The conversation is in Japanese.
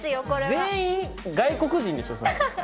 全員外国人でしょそれ。